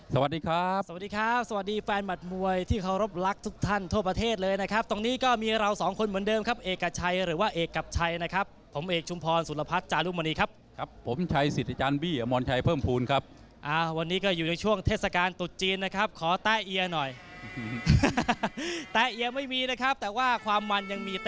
สวัสดีครับสวัสดีครับสวัสดีแฟนหมัดมวยที่เคารพรักทุกท่านทั่วประเทศเลยนะครับตรงนี้ก็มีเราสองคนเหมือนเดิมครับเอกชัยหรือว่าเอกกับชัยนะครับผมเอกชุมพรสุรพัฒน์จารุมณีครับครับผมชัยสิทธิอาจารย์บี้อมรชัยเพิ่มภูมิครับอ่าวันนี้ก็อยู่ในช่วงเทศกาลตุดจีนนะครับขอแต้เอียหน่อยแต๊ะยังไม่มีนะครับแต่ว่าความมันยังมีต